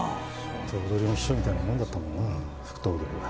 頭取の秘書みたいなもんだったもんな副頭取は。